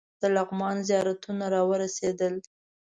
د لغمان زیارتونه راورسېدل.